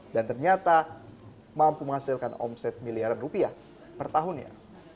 dan ternyata mampu menghasilkan omset miliaran rupiah per tahun ya